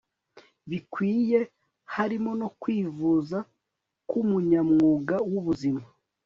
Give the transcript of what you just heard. bikwiye harimo no kwivuza ku munyamwuga w ubuzima